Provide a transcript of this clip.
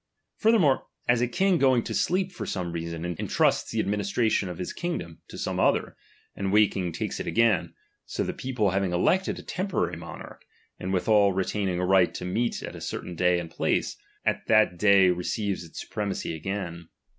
Furthermore, as a king Soing to sleep for some season, entrusts the ad ^tninistration of his kingdom to some other, and "vvaking takes it again ; so the people having elected a temporary monarch, and withal retaining a right "to meet at a certain day and place, at that day re *^eives its supremacy again.